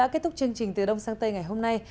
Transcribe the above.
kết thúc chương trình từ đông sang tây ngày hôm nay